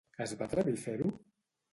Es va atrevir a fer-ho?